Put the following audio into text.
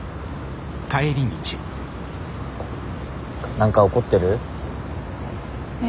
何か怒ってる？え？